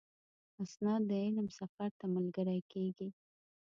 استاد د علم سفر ته ملګری کېږي.